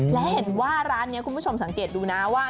และเห็นว่าร้านนี้คุณผู้ชมสังเกตดูนะว่า